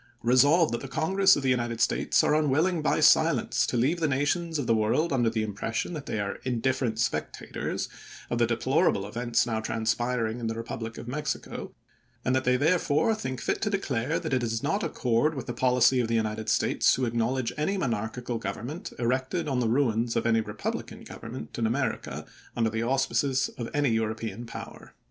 "Resolved, That the Congress of the United States are unwilling by silence to leave the nations of the world under the impression that they are indifferent spectators of the deplorable events now transpiring in the republic of Mexico ; and that they therefore think fit to declare that it does not ac cord with the policy of the United States to acknow ledge any monarchical government, erected on the "Giobe," ruins of any republican government in America, p. 1408. ' under the auspices of any European power."